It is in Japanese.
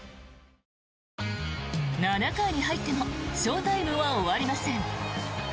７回に入ってもショータイムは終わりません。